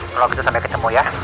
kalau gitu sampai ketemu ya